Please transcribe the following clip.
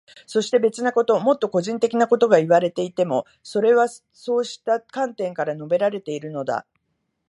そして、別なこと、もっと個人的なことがいわれていても、それはそうした観点から述べられているのだ。